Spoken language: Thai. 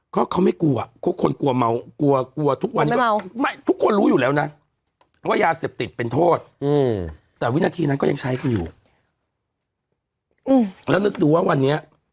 เขาเขาไม่กลัวคนกลัวเมาเม้าเป็นโทษแต่วินาทีนั้นก็ยังใช้กันอยู่แล้วนึกดูว่าวันนี้